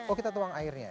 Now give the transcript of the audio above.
oh kita tuang airnya